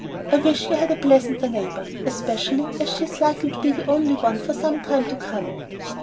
I wish you had a pleasanter neighbor, especially as she's likely to be the only one for some time to come."